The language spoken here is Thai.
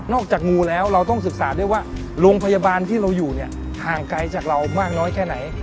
จากงูแล้วเราต้องศึกษาด้วยว่าโรงพยาบาลที่เราอยู่เนี่ยห่างไกลจากเรามากน้อยแค่ไหน